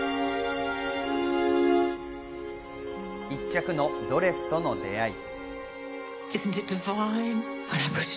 １着のドレスとの出合い。